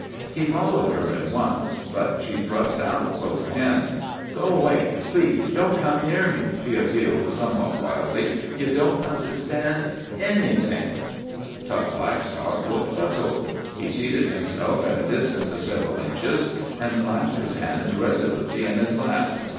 He followed her at once. But she thrust out both hands. "Go away. Please don't come near me," she appealed, somewhat wildly. "You don't understand—anything." Tug Blackstock looked puzzled. He seated himself at a distance of several inches, and clasped his hands resolutely in his lap.